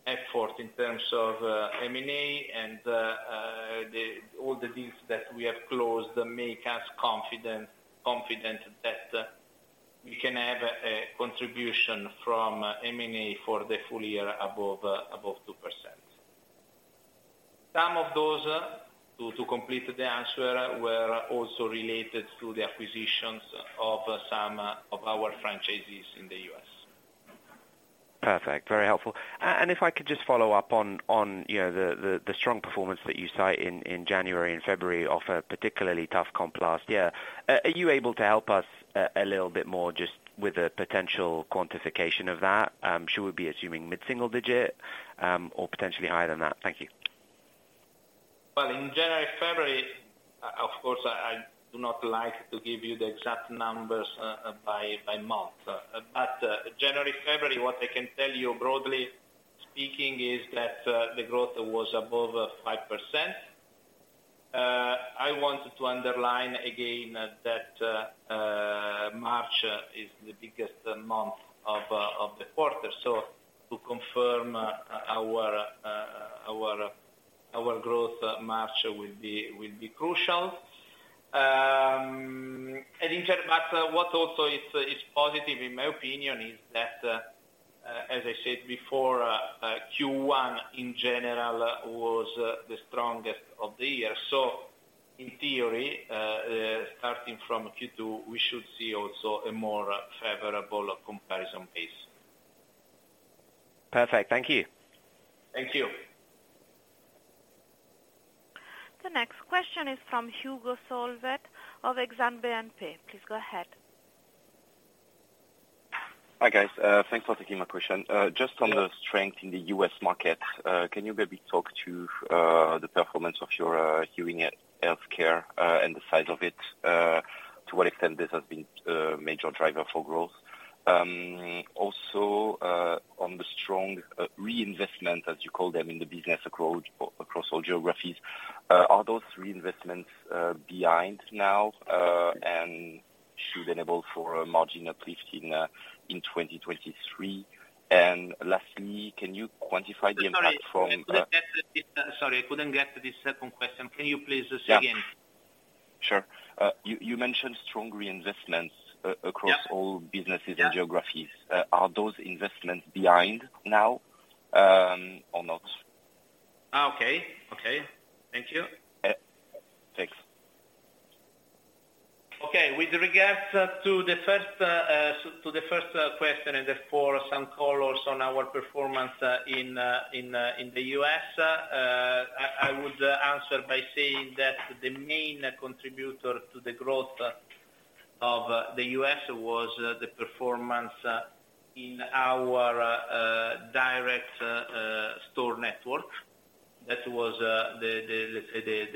Speaker 3: effort in terms of M&A and all the deals that we have closed make us confident that we can have a contribution from M&A for the full year above 2%. Some of those, to complete the answer, were also related to the acquisitions of some of our franchises in the U.S.
Speaker 9: Perfect. Very helpful. If I could just follow up on, you know, the strong performance that you cite in January and February of a particularly tough comp last year. Are you able to help us a little bit more just with a potential quantification of that? Should we be assuming mid-single digit, or potentially higher than that? Thank you.
Speaker 3: In January, February, of course, I do not like to give you the exact numbers by month but January, February, what I can tell you, broadly speaking, is that the growth was above 5%. I want to underline again that March is the biggest month of the quarter. So, to confirm our growth, March will be crucial. What also is positive, in my opinion, is that, as I said before, Q1 in general was the strongest of the year. So, in theory, starting from Q2, we should see also a more favorable comparison base.
Speaker 9: Perfect. Thank you.
Speaker 3: Thank you.
Speaker 1: The next question is from Hugo Solvet of Exane BNP. Please go ahead.
Speaker 10: Hi, guys. Thanks for taking my question. Just on the strength in the U.S. market, can you maybe talk to the performance of your Hearing Health Care, and the size of it? To what extent this has been a major driver for growth? Also, on the strong reinvestment, as you call them, in the business across all geographies, are those reinvestments behind now, and should enable for a margin uplift in 2023? Lastly, can you quantify the impact from-
Speaker 3: Sorry, I couldn't get the second question. Can you please say again?
Speaker 10: Yeah. Sure. You mentioned strong reinvestments...
Speaker 3: Yeah.
Speaker 10: All businesses and geographies. Are those investments behind now, or not?
Speaker 3: Okay. Okay. Thank you.
Speaker 10: Yeah. Thanks.
Speaker 3: Okay. With regards to the first to the first question, Therefore some colors on our performance in the U.S., I would answer by saying that the main contributor to the growth of the U.S. was the performance in our direct store network. That was the, let's say,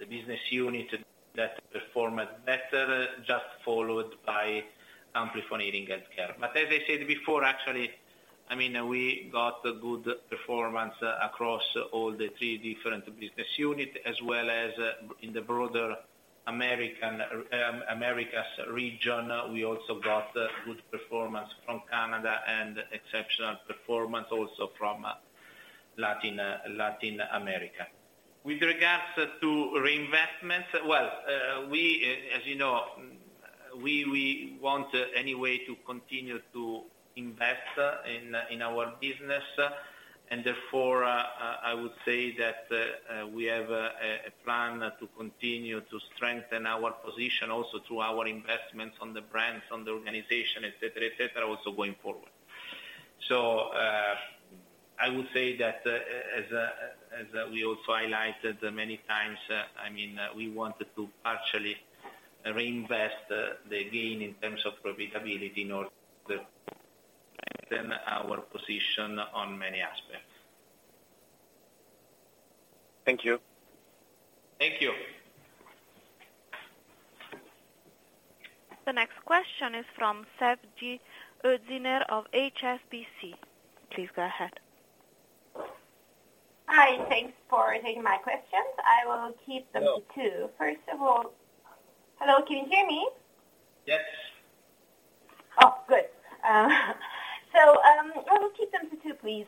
Speaker 3: the business unit that performed better, just followed by Amplifon Hearing Health Care. before, actually, I mean, we got good performance across all the three different business unit as well as in the broader American, Americas region. We also got good performance from Canada and exceptional performance also from Latin America. With regards to reinvestments, well, as you know, we want anyway to continue to invest in our business. I would say that we have a plan to continue to strengthen our position also through our investments on the brands, on the organization, etc., etc., also going forward. So, I would say that as we also highlighted many times, I mean, we wanted to partially reinvest the gain in terms of profitability in order to strengthen our position on many aspects.
Speaker 10: Thank you.
Speaker 3: Thank you.
Speaker 1: The next question is from Sezgi Ozener of HSBC. Please go ahead.
Speaker 11: Hi. Thanks for taking my questions. I will keep them to two. First of all... Hello, can you hear me?
Speaker 3: Yes.
Speaker 11: I will keep them to 2, please.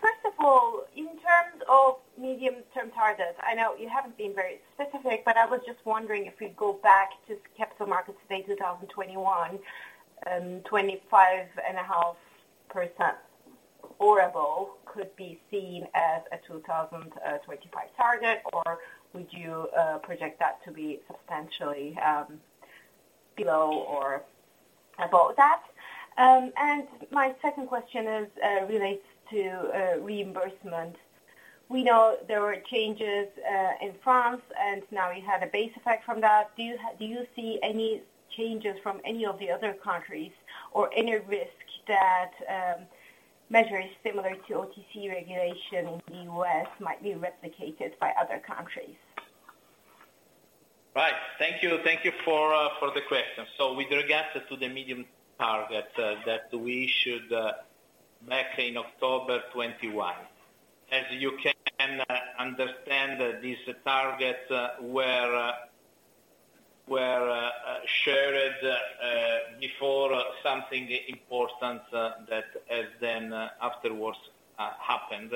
Speaker 11: First of all, in terms of medium-term targets, I know you haven't been very specific, but I was just wondering if you'd go back to Capital Markets Day 2021, 25.5% or above could be seen as a 2025 target, or would you project that to be substantially below or above that? My second question is relates to reimbursement. We know there were changes in France, and now we have a base effect from that. Do you see any changes from any of the other countries or any risk that measures similar to OTC regulation in the U.S. might be replicated by other countries?
Speaker 3: Right. Thank you. Thank you for the questions. So, with regards to the medium target that we issued back in October 2021. As you can understand, these targets were shared before something important that has then afterwards happened,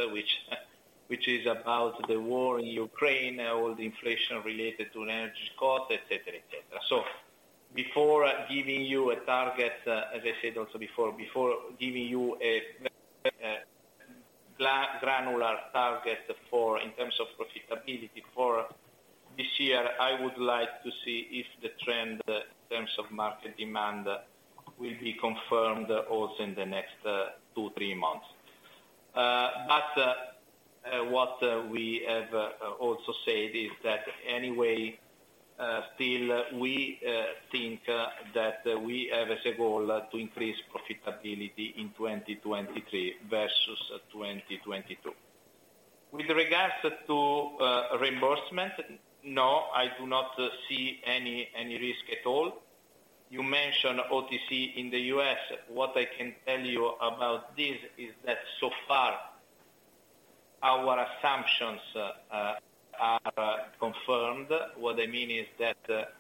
Speaker 3: which is about the war in Ukraine, all the inflation related to energy costs, etc., etc.. Before giving you a target, as I said also before giving you a granular target in terms of profitability for this year, I would like to see if the trend in terms of market demand will be confirmed also in the next two, three months. What we have also said is that anyway, still we think that we have as a goal to increase profitability in 2023 vs. 2022. With regards to reimbursement, no, I do not see any risk at all. You mentioned OTC in the US. What I can tell you about this is that so far our assumptions are confirmed. What I mean is that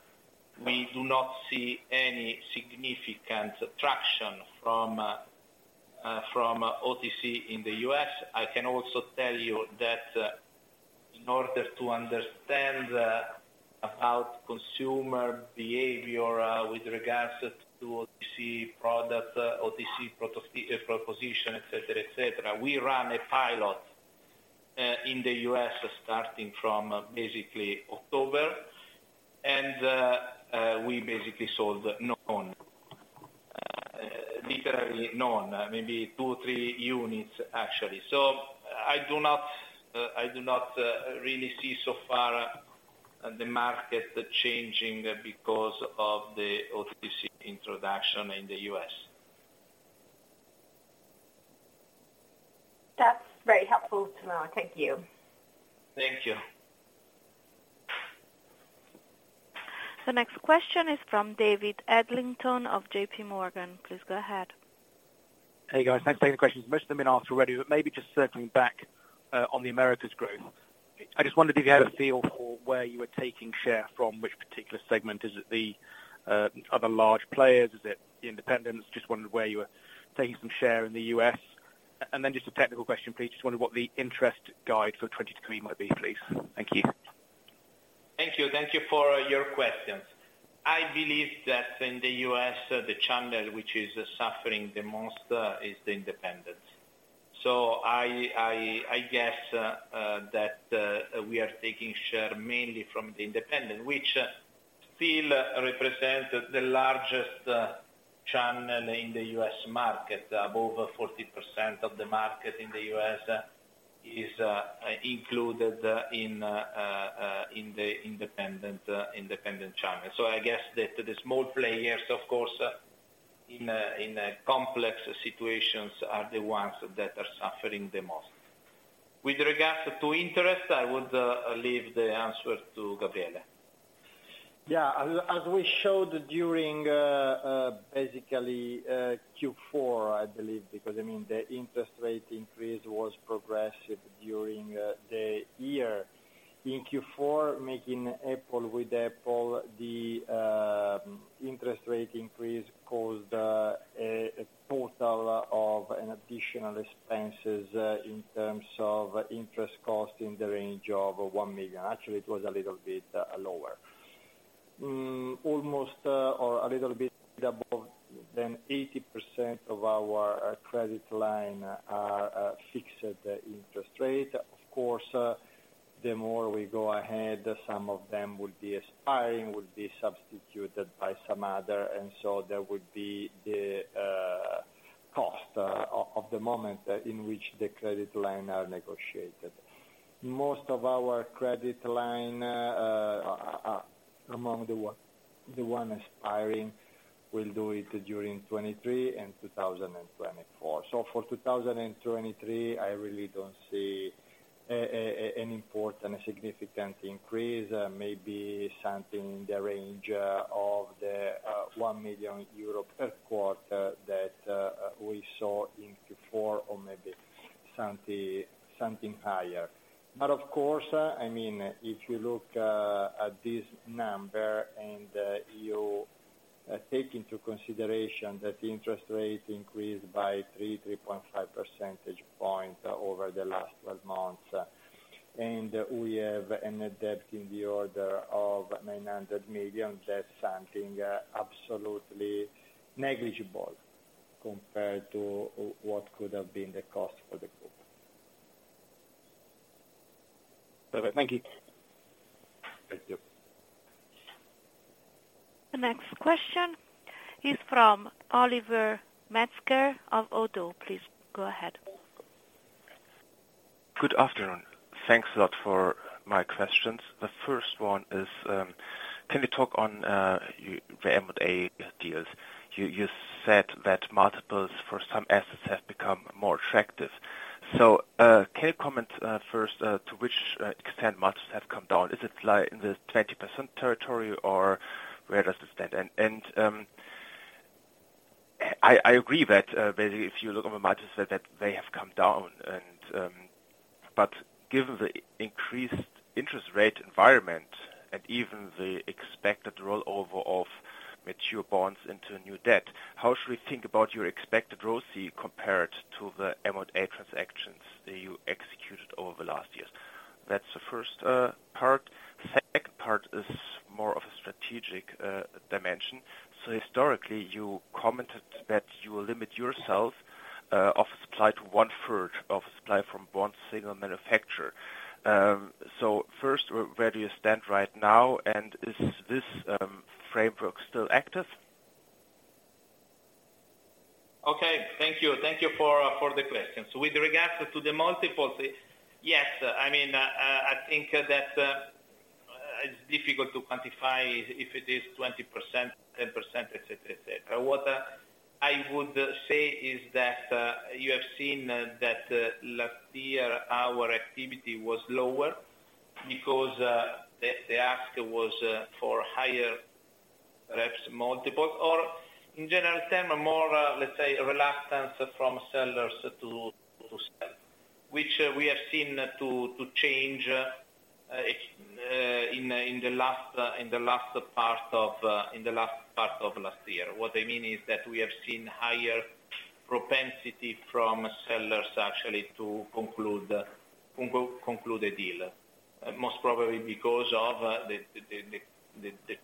Speaker 3: we do not see any significant traction from OTC in the U.S. I can also tell you that in order to understand about consumer behavior with regards to OTC products, OTC proposition, etc., etc., we ran a pilot in the U.S. starting from basically October, and we basically sold none. Literally none, maybe two or three units, actually. So, I do not really see so far the market changing because of the OTC introduction in the U.S.
Speaker 11: That's very helpful to know. Thank you.
Speaker 3: Thank you.
Speaker 1: The next question is from David Adlington of JPMorgan. Please go ahead.
Speaker 12: Hey, guys. Thanks for taking the questions. Most of them have been asked already, but maybe just circling back on the Americas growth. I just wondered if you had a feel for where you were taking share from which particular segment. Is it the other large players? Is it the independents? Just wondered where you were taking some share in the U.S. Then just a technical question, please. Just wondered what the interest guide for 2023 might be, please. Thank you.
Speaker 3: Thank you. Thank you for your questions. I believe that in the U.S., the channel which is suffering the most, is the independents. So, I, I guess, that, we are taking share mainly from the independents, which still represents the largest, channel in the U.S. market. Above 40% of the market in the U.S. is included in the independent channel. So, I guess that the small players, of course, in a complex situations are the ones that are suffering the most. With regards to interest, I would leave the answer to Gabriele.
Speaker 4: Yeah. As we showed during Q4, I believe, because, I mean, the interest rate increase was progressive during the year. In Q4, making apple with apple, the interest rate increase caused a total of an additional expenses in terms of interest cost in the range of 1 million. Actually, it was a little bit lower. Almost or a little bit above than 80% of our credit line are fixed interest rate. Of course, the more we go ahead, some of them will be expiring, will be substituted by some other, and so there would be the cost of the moment in which the credit line are negotiated. Most of our credit line among the one expiring, will do it during 2023 and 2024. For 2023, I really don't see any important significant increase. Maybe something in the range of the 1 million euro per quarter that we saw in Q4 or maybe something higher. Of course, I mean, if you look at this number and you take into consideration that the interest rate increased by 3%-3.5% points over the last 12 months, and we have a net debt in the order of 900 million, that's something absolutely negligible compared to what could have been the cost for the group.
Speaker 5: Perfect. Thank you.
Speaker 4: Thank you.
Speaker 1: The next question is from Oliver Metzger of ODDO. Please go ahead.
Speaker 13: Good afternoon. Thanks a lot for my questions. The first one is, can you talk on the M&A deals? You said that multiples for some assets have become more attractive. So, can you comment first to which extent multiples have come down? Is it in the 20% territory, or where does it stand? I agree that basically if you look at the multiples that they have come down given the increased interest rate environment and even the expected rollover of mature bonds into new debt, how should we think about your expected ROCE compared to the M&A transactions that you executed over the last years? That's the first part. Second part is more of a strategic dimension. Historically you commented that you will limit yourself of supply to 1/3 of supply from one single manufacturer. First, where do you stand right now, and is this framework still active?
Speaker 3: Okay. Thank you. Thank you for the questions. With regards to the multiples, yes, I mean, I think that it's difficult to quantify if it is 20%, 10%, etc., etc.. What I would say is that you have seen that last year our activity was lower because the ask was for higher reps multiples or in general term a more, let's say reluctance from sellers to sell, which we have seen to change in the last part of last year. What I mean is that we have seen higher propensity from sellers actually to conclude a deal, most probably because of the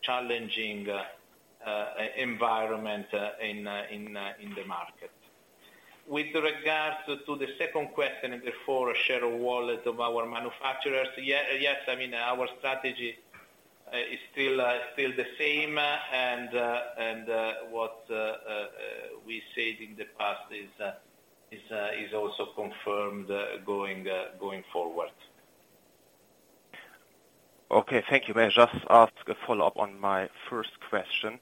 Speaker 3: challenging environment in the market. With regards to the second question and therefore share of wallet of our manufacturers. Yes, I mean, our strategy is still the same and what we said in the past is also confirmed going forward.
Speaker 13: Okay, thank you. May I just ask a follow-up on my first question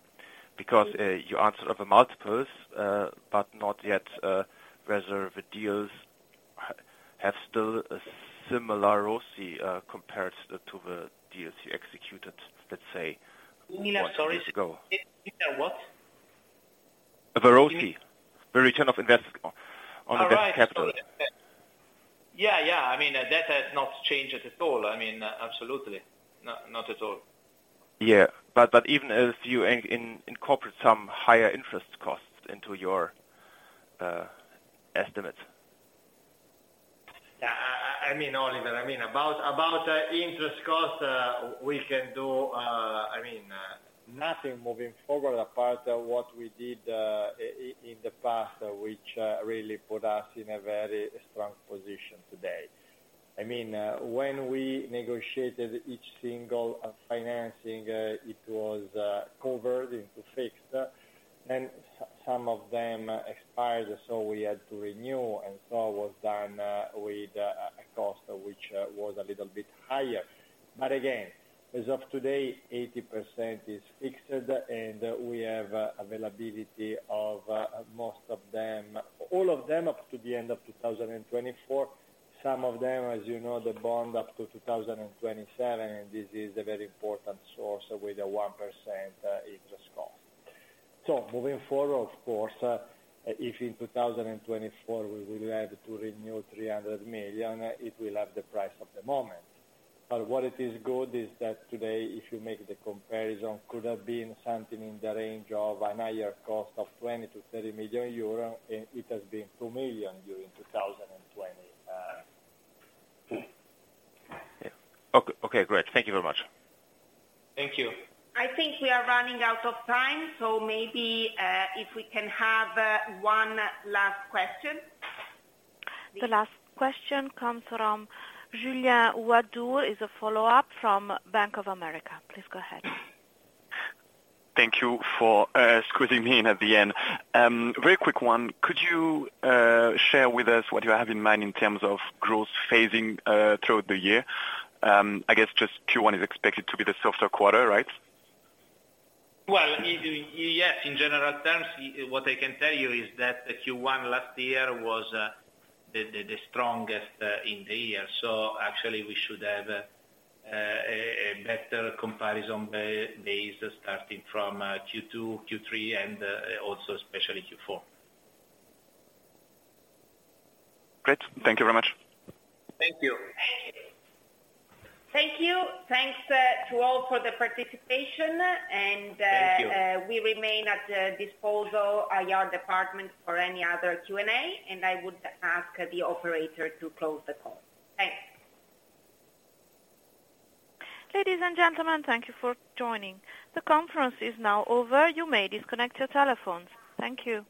Speaker 13: because you answered on the multiples, but not yet whether the deals have still a similar ROCE compared to the deals you executed, let's say one years ago.
Speaker 3: Sorry, say what?
Speaker 13: The ROCE, the return of.
Speaker 3: Oh, right.
Speaker 13: On
Speaker 3: Yeah. I mean, that has not changed at all. I mean, absolutely not at all.
Speaker 13: Yeah, even as you incorporate some higher interest costs into your estimates.
Speaker 3: Yeah, I mean, Oliver, I mean about interest costs, we can do, I mean, nothing moving forward apart what we did in the past, which really put us in a very strong position today. I mean, when we negotiated each single financing, it was covered into fixed, and some of them expired, so we had to renew and so was done with a cost which was a little bit higher but again, as of today, 80% is fixed and we have availability of most of them, all of them up to the end of 2024. Some of them, as you know, the bond up to 2027. This is a very important source with a 1% interest cost. Moving forward, of course, if in 2024 we will have to renew 300 million, it will have the price of the moment. What it is good is that today, if you make the comparison could have been something in the range of an higher cost of 20 million-30 million euro, and it has been 2 million during 2020.
Speaker 13: Yeah. Okay, great. Thank you very much.
Speaker 3: Thank you.
Speaker 2: I think we are running out of time. Maybe, if we can have, one last question.
Speaker 1: The last question comes from Julien Ouaddour, is a follow-up from Bank of America. Please go ahead.
Speaker 5: Thank you for squeezing me in at the end. Very quick one. Could you share with us what you have in mind in terms of growth phasing throughout the year? I guess just Q1 is expected to be the softer quarter, right?
Speaker 3: Yes, in general terms, what I can tell you is that Q1 last year was the strongest in the year. So, actually we should have a better comparison base starting from Q2, Q3 and also especially Q4.
Speaker 5: Great. Thank you very much.
Speaker 3: Thank you.
Speaker 2: Thank you. Thanks to all for the participation.
Speaker 3: Thank you.
Speaker 2: We remain at the disposal, our IR department for any other Q&A, and I would ask the operator to close the call. Thanks.
Speaker 1: Ladies and gentlemen, thank you for joining. The conference is now over. You may disconnect your telephones. Thank you.